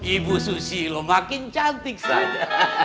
ibu susilo makin cantik saja